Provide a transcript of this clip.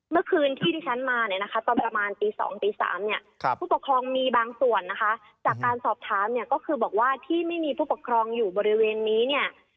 เมื่อคืนที่ที่ฉันมาเนี่ยนะคะตอนประมาณตี๒ตี๓เนี่ยผู้ปกครองมีบางส่วนนะคะจากการสอบถามเนี่ยก็คือบอกว่าที่ไม่มีผู้ปกครองอยู่บริเวณนี้เนี่ย